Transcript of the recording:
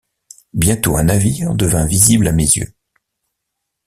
Bientôt un navire devint visible à mes yeux.